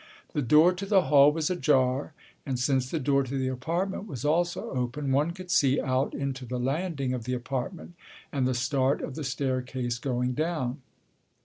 The door to the hall was ajar, and since the door to the apartment was also open, one could see out into the landing of the apartment and the start of the staircase going down.